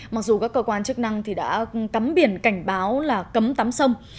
mặc dù các cơ quan chức năng thì đã cấm biển cảnh báo là cấm tắm sông